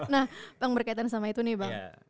nah bang berkaitan sama itu nih bang